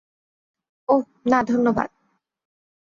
ওহ, না, ধন্যবাদ।